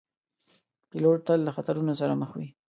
پیلوټ تل له خطرونو سره مخ وي.